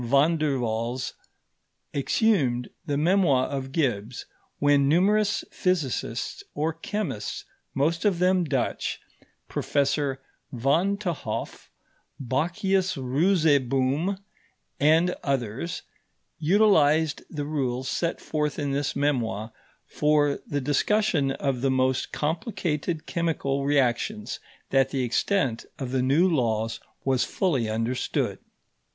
Van der Waals exhumed the memoir of Gibbs, when numerous physicists or chemists, most of them Dutch Professor Van t'Hoff, Bakhius Roozeboom, and others utilized the rules set forth in this memoir for the discussion of the most complicated chemical reactions, that the extent of the new laws was fully understood.